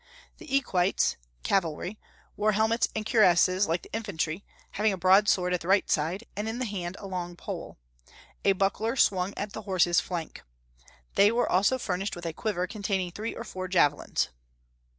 The Equites (cavalry) wore helmets and cuirasses, like the infantry, having a broadsword at the right side, and in the hand a long pole. A buckler swung at the horse's flank. They were also furnished with a quiver containing three or four javelins.